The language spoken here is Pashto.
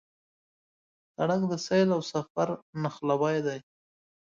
سړک د سیل او سفر نښلوی دی.